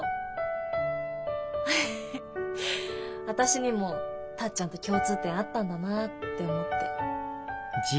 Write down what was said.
私にもタッちゃんと共通点あったんだなって思って。